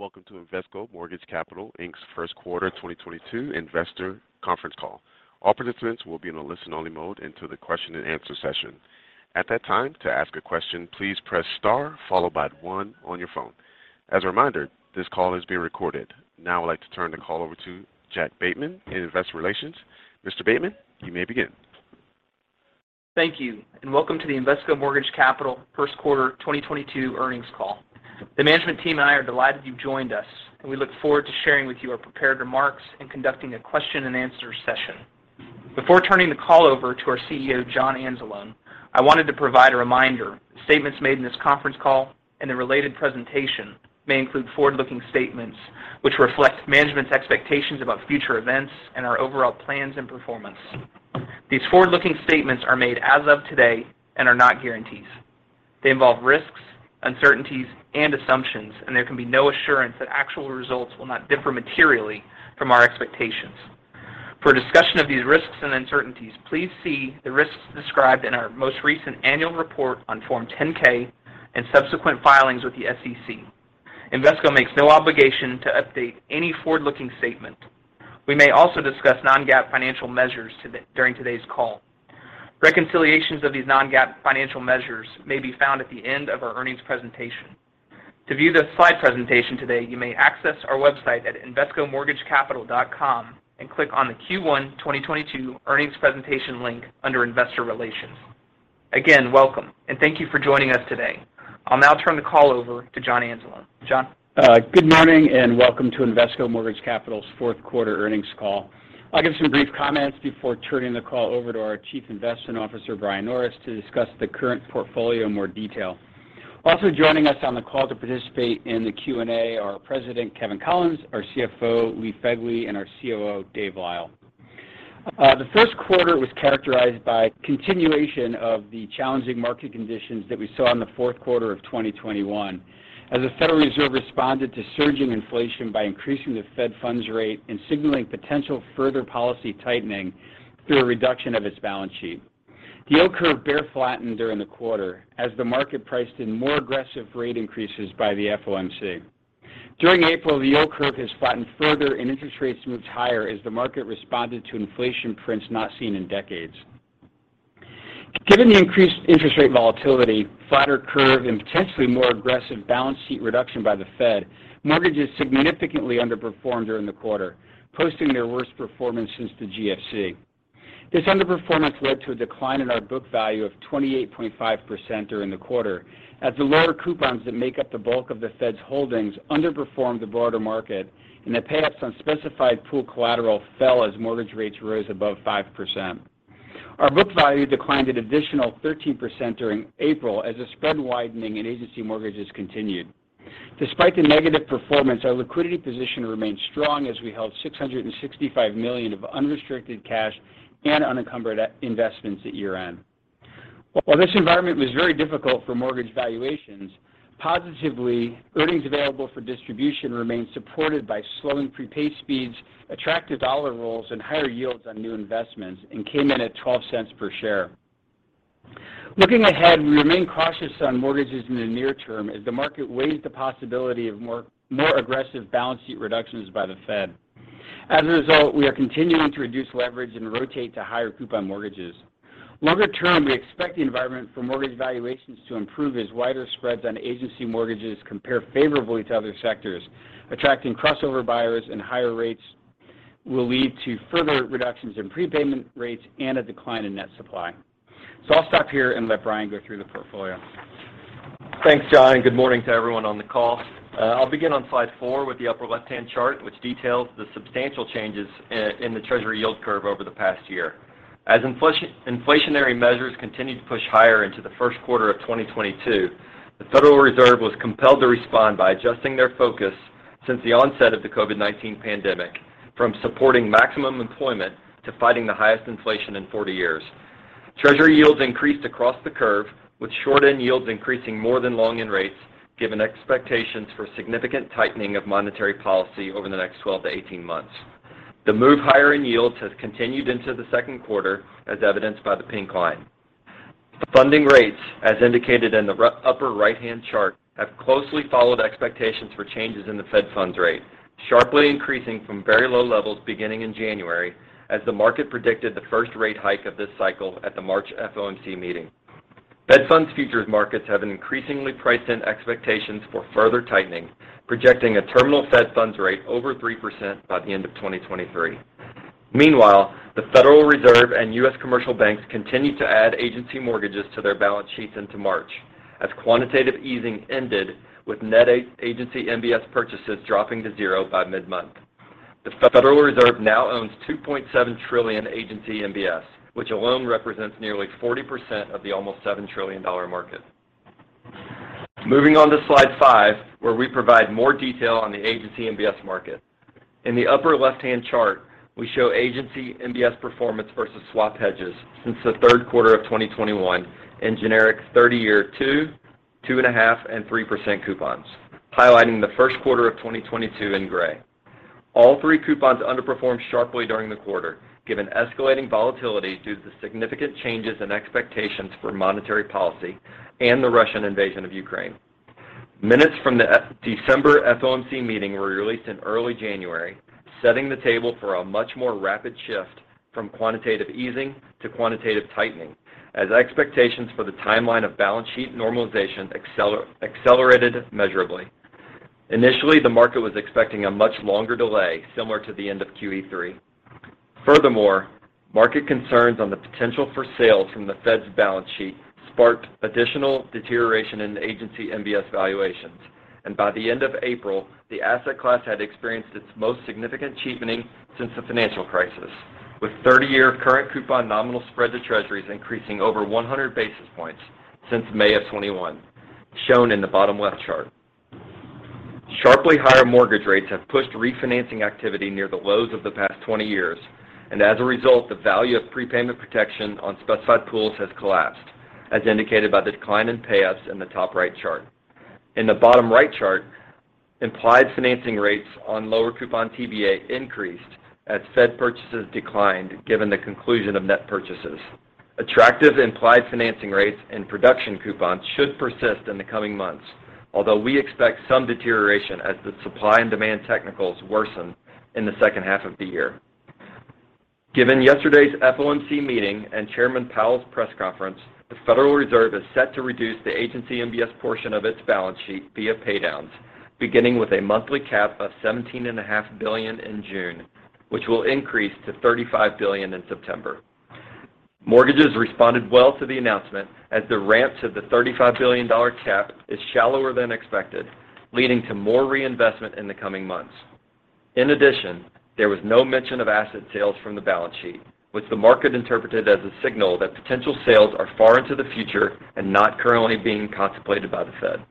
Welcome to Invesco Mortgage Capital Inc.'s first quarter 2022 investor conference call. All participants will be in a listen-only mode until the question and answer session. At that time, to ask a question, please press star followed by one on your phone. As a reminder, this call is being recorded. Now I'd like to turn the call over to Jack Bateman in Investor Relations. Mr. Bateman, you may begin. Thank you, and welcome to the Invesco Mortgage Capital first quarter 2022 earnings call. The management team and I are delighted you've joined us, and we look forward to sharing with you our prepared remarks and conducting a question and answer session. Before turning the call over to our CEO, John Anzalone, I wanted to provide a reminder. Statements made in this conference call and the related presentation may include forward-looking statements which reflect management's expectations about future events and our overall plans and performance. These forward-looking statements are made as of today and are not guarantees. They involve risks, uncertainties and assumptions, and there can be no assurance that actual results will not differ materially from our expectations. For a discussion of these risks and uncertainties, please see the risks described in our most recent annual report on Form 10-K and subsequent filings with the SEC. Invesco makes no obligation to update any forward-looking statement. We may also discuss non-GAAP financial measures today, during today's call. Reconciliations of these non-GAAP financial measures may be found at the end of our earnings presentation. To view the slide presentation today, you may access our website at invescomortgagecapital.com and click on the Q1 2022 earnings presentation link under Investor Relations. Again, welcome, and thank you for joining us today. I'll now turn the call over to John Anzalone. John? Good morning and welcome to Invesco Mortgage Capital's fourth quarter earnings call. I'll give some brief comments before turning the call over to our Chief Investment Officer, Brian Norris, to discuss the current portfolio in more detail. Also joining us on the call to participate in the Q&A are our President, Kevin Collins, our CFO, Lee Fegley, and our COO, Dave Lyle. The first quarter was characterized by continuation of the challenging market conditions that we saw in the fourth quarter of 2021 as the Federal Reserve responded to surging inflation by increasing the fed funds rate and signaling potential further policy tightening through a reduction of its balance sheet. The yield curve bear flattened during the quarter as the market priced in more aggressive rate increases by the FOMC. During April, the yield curve has flattened further and interest rates moved higher as the market responded to inflation prints not seen in decades. Given the increased interest rate volatility, flatter curve and potentially more aggressive balance sheet reduction by the Fed, mortgages significantly underperformed during the quarter, posting their worst performance since the GFC. This underperformance led to a decline in our book value of 28.5% during the quarter as the lower coupons that make up the bulk of the Fed's holdings underperformed the broader market and the payoffs on specified pool collateral fell as mortgage rates rose above 5%. Our book value declined an additional 13% during April as the spread widening in agency mortgages continued. Despite the negative performance, our liquidity position remained strong as we held $665 million of unrestricted cash and unencumbered investments at year-end. While this environment was very difficult for mortgage valuations, positively, Earnings Available for Distribution remained supported by slowing prepay speeds, attractive dollar rolls and higher yields on new investments and came in at $0.12 per share. Looking ahead, we remain cautious on mortgages in the near term as the market weighs the possibility of more aggressive balance sheet reductions by the Fed. As a result, we are continuing to reduce leverage and rotate to higher coupon mortgages. Longer term, we expect the environment for mortgage valuations to improve as wider spreads on agency mortgages compare favorably to other sectors. Attracting crossover buyers and higher rates will lead to further reductions in prepayment rates and a decline in net supply. I'll stop here and let Brian go through the portfolio. Thanks, John, and good morning to everyone on the call. I'll begin on slide four with the upper left-hand chart, which details the substantial changes in the Treasury yield curve over the past year. As inflationary measures continued to push higher into the first quarter of 2022, the Federal Reserve was compelled to respond by adjusting their focus since the onset of the COVID-19 pandemic from supporting maximum employment to fighting the highest inflation in 40 years. Treasury yields increased across the curve, with short-end yields increasing more than long-end rates, given expectations for significant tightening of monetary policy over the next 12-18 months. The move higher in yields has continued into the second quarter, as evidenced by the pink line. Funding rates, as indicated in the upper right-hand chart, have closely followed expectations for changes in the federal funds rate, sharply increasing from very low levels beginning in January as the market predicted the first rate hike of this cycle at the March FOMC meeting. Fed Funds futures markets have increasingly priced in expectations for further tightening, projecting a terminal federal funds rate over 3% by the end of 2023. Meanwhile, the Federal Reserve and U.S. commercial banks continued to add Agency mortgages to their balance sheets into March as quantitative easing ended with net Agency MBS purchases dropping to zero by mid-month. The Federal Reserve now owns $2.7 trillion Agency MBS, which alone represents nearly 40% of the almost $7 trillion market. Moving on to slide five, where we provide more detail on the Agency MBS market. In the upper left-hand chart, we show Agency MBS performance versus swap hedges since the third quarter of 2021 in generic 30-year, 2%, 2.5%, and 3% coupons, highlighting the first quarter of 2022 in gray. All three coupons underperformed sharply during the quarter, given escalating volatility due to the significant changes in expectations for monetary policy and the Russian invasion of Ukraine. Minutes from the December FOMC meeting were released in early January, setting the table for a much more rapid shift from quantitative easing to quantitative tightening, as expectations for the timeline of balance sheet normalization accelerated measurably. Initially, the market was expecting a much longer delay, similar to the end of QE3. Furthermore, market concerns on the potential for sales from the Fed's balance sheet sparked additional deterioration in Agency MBS valuations. By the end of April, the asset class had experienced its most significant cheapening since the financial crisis, with 30-year current coupon nominal spread to Treasuries increasing over 100 basis points since May 2021, shown in the bottom left chart. Sharply higher mortgage rates have pushed refinancing activity near the lows of the past 20 years, and as a result, the value of prepayment protection on specified pools has collapsed, as indicated by the decline in payoffs in the top right chart. In the bottom right chart, implied financing rates on lower coupon TBA increased as Fed purchases declined, given the conclusion of net purchases. Attractive implied financing rates and production coupons should persist in the coming months. Although we expect some deterioration as the supply and demand technicals worsen in the second half of the year. Given yesterday's FOMC meeting and Chairman Powell's press conference, the Federal Reserve is set to reduce the Agency MBS portion of its balance sheet via paydowns, beginning with a monthly cap of $17.5 billion in June, which will increase to $35 billion in September. Mortgages responded well to the announcement as the ramp to the $35 billion cap is shallower than expected, leading to more reinvestment in the coming months. In addition, there was no mention of asset sales from the balance sheet, which the market interpreted as a signal that potential sales are far into the future and not currently being contemplated by the Fed.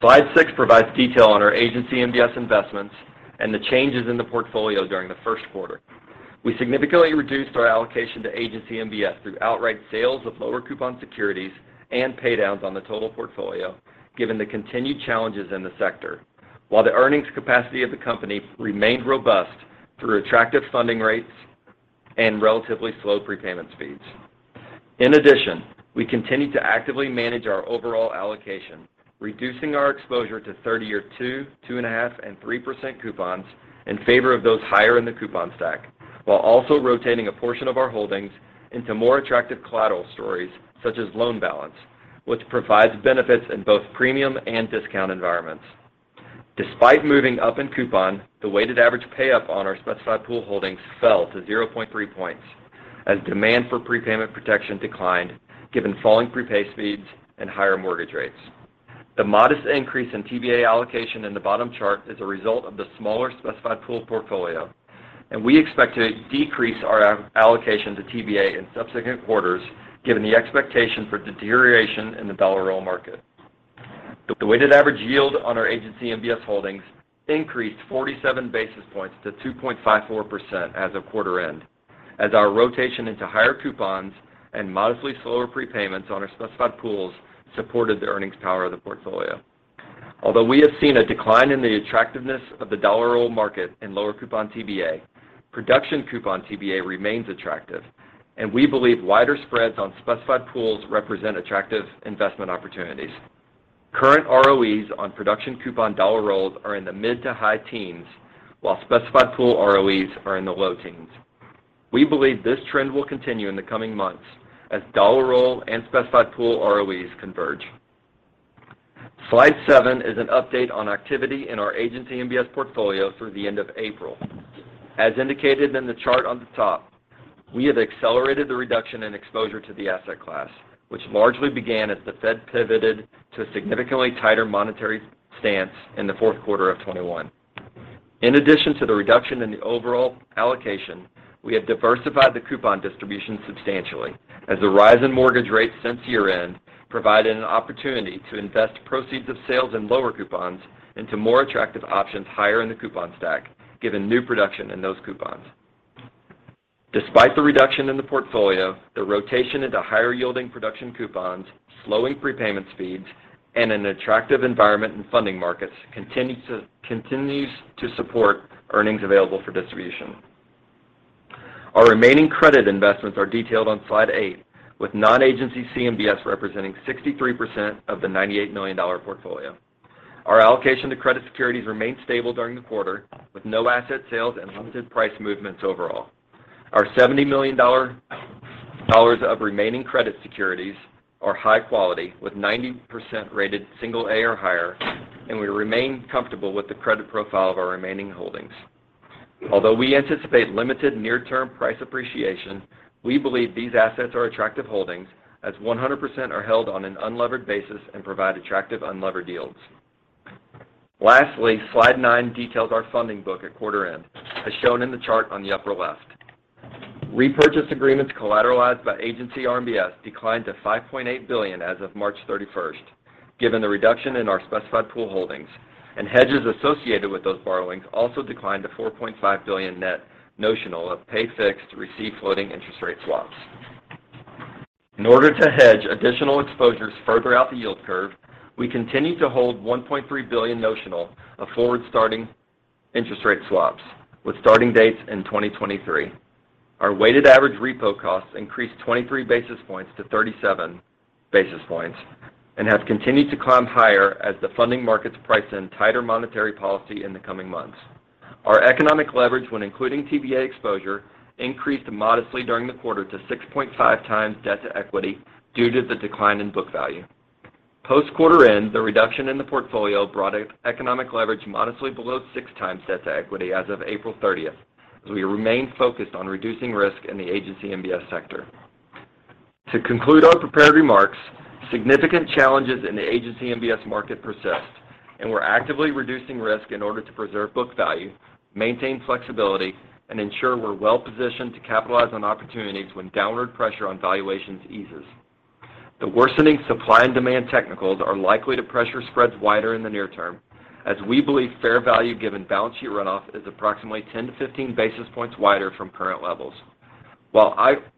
Slide six provides detail on our Agency MBS investments and the changes in the portfolio during the first quarter. We significantly reduced our allocation to Agency MBS through outright sales of lower coupon securities and paydowns on the total portfolio, given the continued challenges in the sector. While the earnings capacity of the company remained robust through attractive funding rates and relatively slow prepayment speeds. In addition, we continued to actively manage our overall allocation, reducing our exposure to 30-year, 2%, 2.5%, and 3% coupons in favor of those higher in the coupon stack, while also rotating a portion of our holdings into more attractive collateral stories such as low balance, which provides benefits in both premium and discount environments. Despite moving up in coupon, the weighted average pay-up on our specified pool holdings fell to 0.3 points as demand for prepayment protection declined, given falling prepay speeds and higher mortgage rates. The modest increase in TBA allocation in the bottom chart is a result of the smaller specified pool portfolio, and we expect to decrease our allocation to TBA in subsequent quarters, given the expectation for deterioration in the dollar roll market. The weighted average yield on our agency MBS holdings increased 47 basis points to 2.54% as of quarter end, as our rotation into higher coupons and modestly slower prepayments on our specified pools supported the earnings power of the portfolio. Although we have seen a decline in the attractiveness of the dollar roll market in lower coupon TBA, production coupon TBA remains attractive, and we believe wider spreads on specified pools represent attractive investment opportunities. Current ROEs on production coupon dollar roll are in the mid to high teens, while specified pool ROEs are in the low teens. We believe this trend will continue in the coming months as dollar roll and specified pool ROEs converge. Slide seven is an update on activity in our Agency MBS portfolio through the end of April. As indicated in the chart on the top, we have accelerated the reduction in exposure to the asset class, which largely began as the Fed pivoted to a significantly tighter monetary stance in the fourth quarter of 2021. In addition to the reduction in the overall allocation, we have diversified the coupon distribution substantially as the rise in mortgage rates since year-end provided an opportunity to invest proceeds of sales in lower coupons into more attractive options higher in the coupon stack, given new production in those coupons. Despite the reduction in the portfolio, the rotation into higher-yielding production coupons, slowing prepayment speeds, and an attractive environment in funding markets continues to support Earnings Available for Distribution. Our remaining credit investments are detailed on slide eight, with non-agency CMBS representing 63% of the $98 million portfolio. Our allocation to credit securities remained stable during the quarter, with no asset sales and limited price movements overall. Our $70 million of remaining credit securities are high quality, with 90% rated single A or higher, and we remain comfortable with the credit profile of our remaining holdings. Although we anticipate limited near-term price appreciation, we believe these assets are attractive holdings as 100% are held on an unlevered basis and provide attractive unlevered yields. Lastly, slide nine details our funding book at quarter end, as shown in the chart on the upper left. Repurchase agreements collateralized by Agency RMBS declined to $5.8 billion as of March 31st, given the reduction in our specified pool holdings, and hedges associated with those borrowings also declined to $4.5 billion net notional of pay fixed to receive floating interest rate swaps. In order to hedge additional exposures further out the yield curve, we continue to hold $1.3 billion notional of forward-starting interest rate swaps with starting dates in 2023. Our weighted average repo costs increased 23 basis points to 37 basis points and have continued to climb higher as the funding markets price in tighter monetary policy in the coming months. Our economic leverage when including TBA exposure increased modestly during the quarter to 6.5x debt to equity due to the decline in book value. Post quarter end, the reduction in the portfolio brought economic leverage modestly below 6x debt to equity as of April 30th, as we remain focused on reducing risk in the Agency MBS sector. To conclude our prepared remarks, significant challenges in the Agency MBS market persist, and we're actively reducing risk in order to preserve book value, maintain flexibility, and ensure we're well-positioned to capitalize on opportunities when downward pressure on valuations eases. The worsening supply and demand technicals are likely to pressure spreads wider in the near term, as we believe fair value given balance sheet runoff is approximately 10 basis points-15 basis points wider from current levels.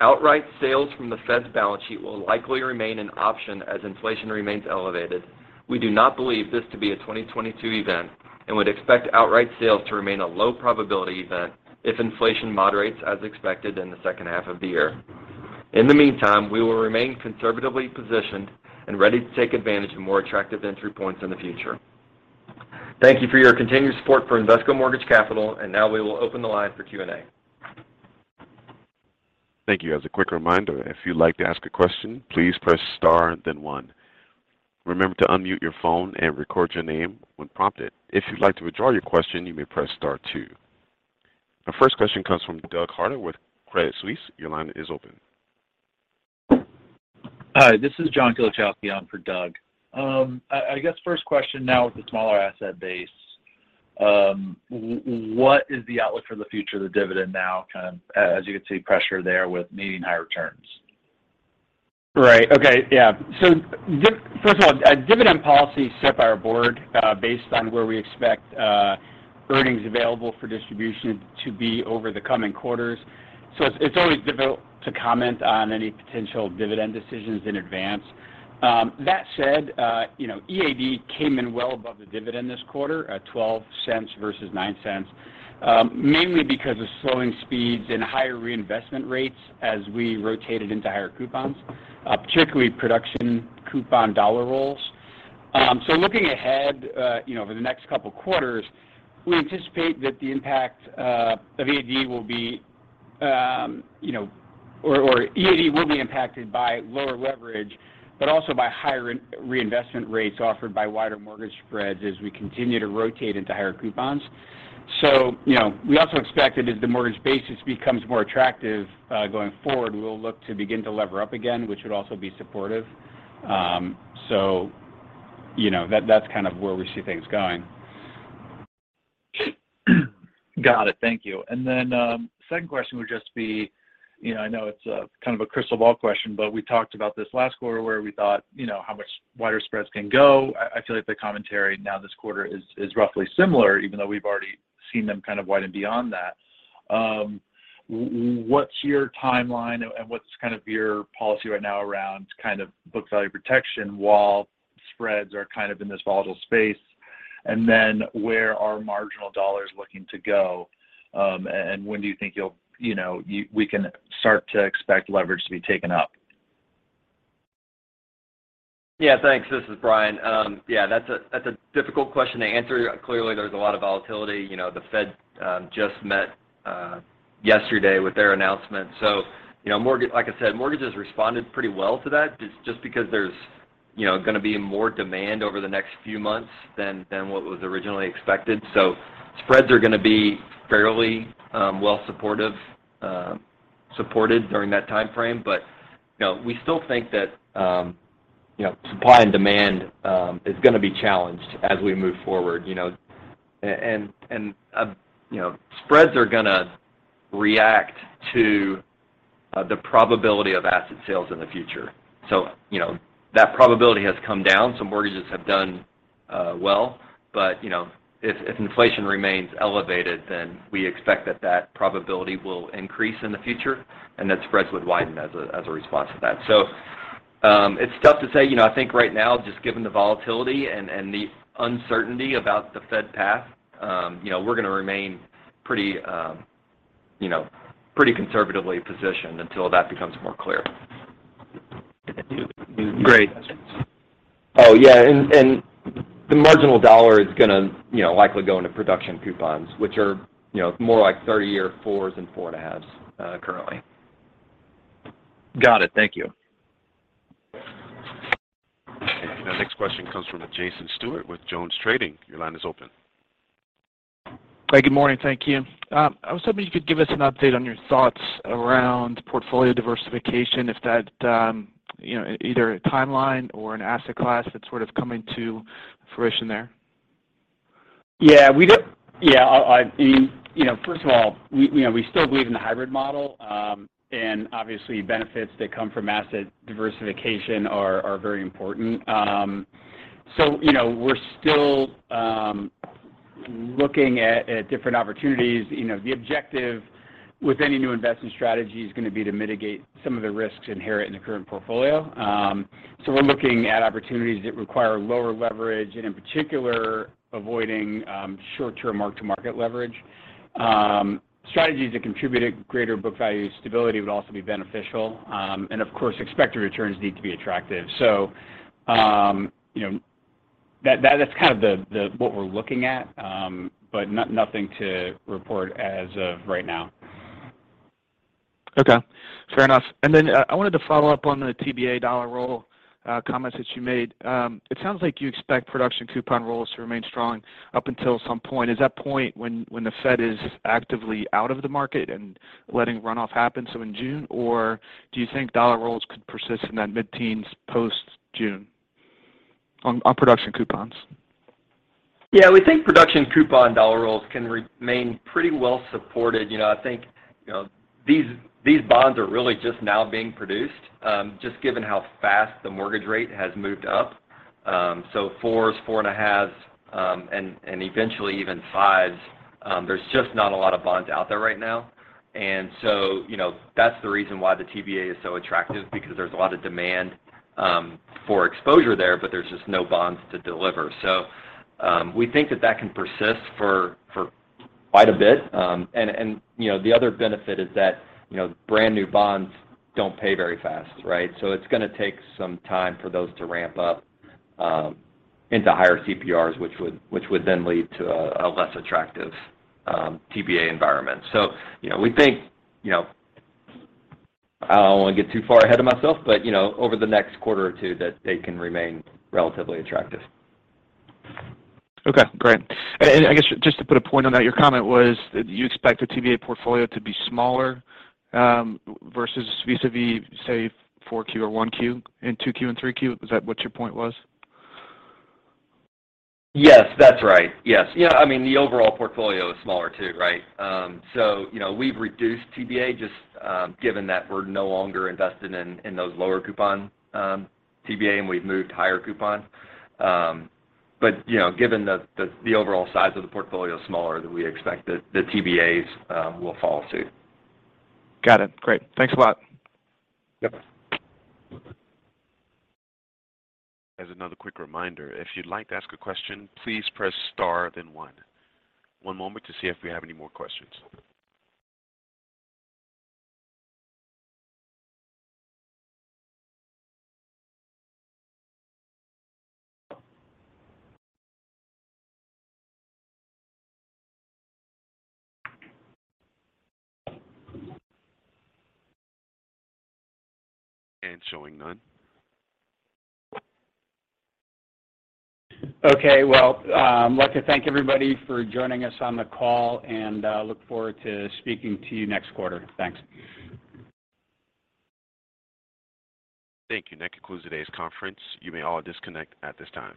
Outright sales from the Fed's balance sheet will likely remain an option as inflation remains elevated, we do not believe this to be a 2022 event and would expect outright sales to remain a low probability event if inflation moderates as expected in the second half of the year. In the meantime, we will remain conservatively positioned and ready to take advantage of more attractive entry points in the future. Thank you for your continued support for Invesco Mortgage Capital, and now we will open the line for Q&A. Thank you. As a quick reminder, if you'd like to ask a question, please press star then one. Remember to unmute your phone and record your name when prompted. If you'd like to withdraw your question, you may press star two. Our first question comes from Doug Harter with Credit Suisse. Your line is open. Hi, this is John Kilichowski on for Doug. I guess first question now with the smaller asset base, what is the outlook for the future of the dividend now? Kind of as you can see pressure there with needing higher returns. First of all, a dividend policy set by our board, based on where we expect Earnings Available for Distribution to be over the coming quarters. It's always difficult to comment on any potential dividend decisions in advance. That said, you know, EAD came in well above the dividend this quarter at $0.12 versus $0.09, mainly because of slowing speeds and higher reinvestment rates as we rotated into higher coupons, particularly production coupon dollar roll. Looking ahead, you know, over the next couple quarters, we anticipate that EAD will be impacted by lower leverage, but also by higher reinvestment rates offered by wider mortgage spreads as we continue to rotate into higher coupons. You know, we also expect that as the mortgage basis becomes more attractive, going forward, we'll look to begin to lever up again, which would also be supportive. You know, that's kind of where we see things going. Got it. Thank you. Second question would just be, you know, I know it's kind of a crystal ball question, but we talked about this last quarter where we thought, you know, how much wider spreads can go. I feel like the commentary now this quarter is roughly similar even though we've already seen them kind of widen beyond that. What's your timeline and what's kind of your policy right now around kind of book value protection while spreads are kind of in this volatile space? Where are marginal dollars looking to go? When do you think we can start to expect leverage to be taken up? Yeah, thanks. This is Brian. Yeah, that's a difficult question to answer. Clearly, there's a lot of volatility. You know, the Fed just met yesterday with their announcement. You know, like I said, mortgages responded pretty well to that just because there's, you know, gonna be more demand over the next few months than what was originally expected. Spreads are gonna be fairly well supported during that time frame. You know, we still think that, you know, supply and demand is gonna be challenged as we move forward. You know, and you know, spreads are gonna react to the probability of asset sales in the future. You know, that probability has come down. Some mortgages have done well, but, you know, if inflation remains elevated, then we expect that probability will increase in the future and that spreads would widen as a response to that. It's tough to say. You know, I think right now just given the volatility and the uncertainty about the Fed path, you know, we're gonna remain pretty conservatively positioned until that becomes more clear. Great. Oh, yeah. The marginal dollar is gonna, you know, likely go into production coupons, which are, you know, more like 30-year 4s and 4.5s, currently. Got it. Thank you. Our next question comes from Jason Stewart with JonesTrading. Your line is open. Hey, good morning. Thank you. I was hoping you could give us an update on your thoughts around portfolio diversification if that, you know, either a timeline or an asset class that's sort of coming to fruition there? You know, first of all, we still believe in the hybrid model. Obviously benefits that come from asset diversification are very important. You know, we're still looking at different opportunities. The objective with any new investment strategy is going to be to mitigate some of the risks inherent in the current portfolio. We're looking at opportunities that require lower leverage and in particular avoiding short-term market-to-market leverage. Strategies that contribute a greater book value stability would also be beneficial. Of course, expected returns need to be attractive. You know, that's kind of what we're looking at, but nothing to report as of right now. Okay, fair enough. I wanted to follow up on the TBA dollar roll comments that you made. It sounds like you expect production coupon rolls to remain strong up until some point. Is that point when the Fed is actively out of the market and letting runoff happen, so in June? Or do you think dollar roll could persist in that mid-teens post-June on production coupons? Yeah, we think production coupon dollar roll can remain pretty well supported. You know, I think these bonds are really just now being produced just given how fast the mortgage rate has moved up. Fours, 4.5s, and eventually even fives, there's just not a lot of bonds out there right now. You know, that's the reason why the TBA is so attractive because there's a lot of demand for exposure there, but there's just no bonds to deliver. We think that can persist for quite a bit. You know, the other benefit is that you know, brand-new bonds don't pay very fast, right? It's going to take some time for those to ramp up into higher CPRs, which would then lead to a less attractive TBA environment. You know, we think, you know, I don't want to get too far ahead of myself, but, you know, over the next quarter or two that they can remain relatively attractive. Okay, great. I guess just to put a point on that, your comment was that you expect the TBA portfolio to be smaller, versus vis-à-vis, say, 4Q or 1Q and 2Q and 3Q. Is that what your point was? Yes, that's right. Yes. Yeah, I mean, the overall portfolio is smaller too, right? You know, we've reduced TBA just, given that we're no longer invested in those lower coupon TBA, and we've moved higher coupon. You know, given the overall size of the portfolio is smaller than we expect, the TBAs will fall too. Got it. Great. Thanks a lot. Yep. As another quick reminder, if you'd like to ask a question, please press star then one. One moment to see if we have any more questions. Showing none. Okay. Well, like to thank everybody for joining us on the call, and look forward to speaking to you next quarter. Thanks. Thank you. That concludes today's conference. You may all disconnect at this time.